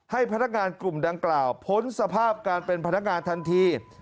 ให้พนักงานกลุ่มดังกล่าวพ้นสภาพการเป็นพนักงานทันที